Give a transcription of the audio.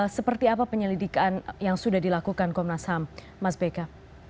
seperti apa penyelidikan yang sudah dilakukan komnas ham mas beka